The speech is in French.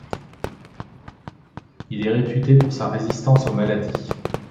Il est réputé pour sa résistance aux maladies.